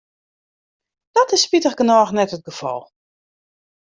Dat is spitich genôch net it gefal.